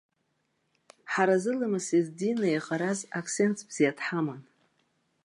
Ҳара зыламыси здини еиҟараз аксендз бзиа дҳаман.